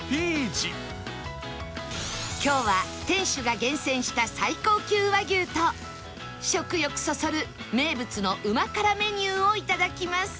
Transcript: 今日は店主が厳選した最高級和牛と食欲そそる名物のうま辛メニューをいただきます